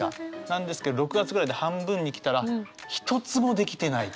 なんですけど６月ぐらいで半分に来たら一つもできてない。